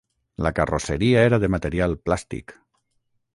La carrosseria era de material plàstic.